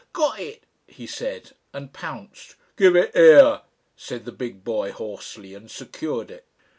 "GOT it," he said, and pounced. "Give it 'ere," said the big boy hoarsely, and secured it.